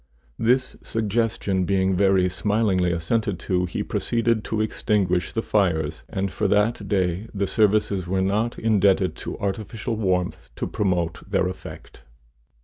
This suggestion being very smilingly assented to, he proceeded to extinguish the fires, and for that day the services were not indebted to artificial warmth to promote their effect.